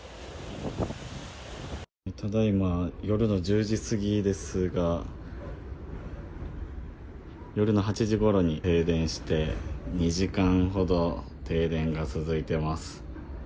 ただいま夜の１０時過ぎですが、夜の８時ごろに停電して、２時間ほど停電が続いてます。